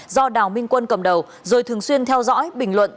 do đào minh quân cầm đầu rồi thường xuyên theo dõi bình luận